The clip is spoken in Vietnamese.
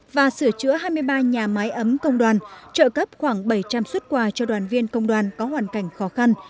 và sửa chữa hai mươi ba nhà máy ấm công đoàn trợ cấp khoảng bảy trăm linh xuất quà cho đoàn viên công đoàn có hoàn cảnh khó khăn